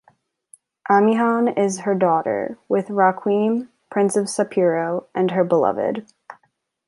Amihan is her daughter with Raquim, Prince of Sapiro and her beloved.